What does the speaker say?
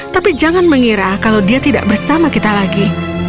tapi jangan mengira kalau dia tidak bersama kita lagi